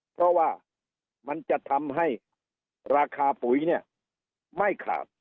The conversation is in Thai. เพราะว่ามันจะทำให้ราคาปุ๋ยเนี่ยไม่ขาด